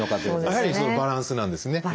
やはりバランスなんですね。